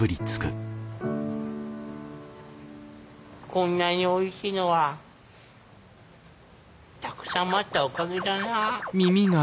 こんなにおいしいのはたくさん待ったおかげだなあ。